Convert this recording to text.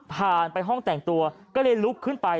ผ่านไปห้องแต่งตัวก็เลยลุกขึ้นไป